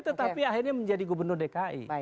tetapi akhirnya menjadi gubernur dki